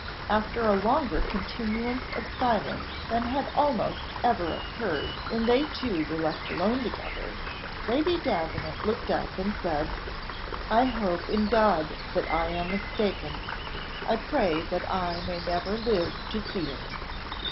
After a longer continuance of silence than had almost ever occurred when they two were alone together, Lady Davenant looked up, and said, "I hope in God that I am mistaken. I pray that I may never live to see it!"